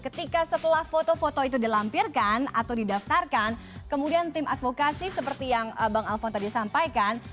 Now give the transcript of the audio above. ketika setelah foto foto itu dilampirkan atau didaftarkan kemudian tim advokasi seperti yang bang alphon tadi sampaikan